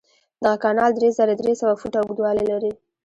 دغه کانال درې زره درې سوه فوټه اوږدوالی لري.